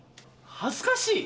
恥ずかしい？